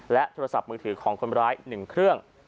และโทรศัพท์มือถือของคนร้ายหนึ่งเครื่อง